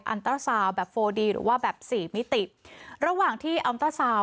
อันตราซาวแบบโฟดีหรือว่าแบบสี่มิติระหว่างที่อัมเตอร์ซาวน์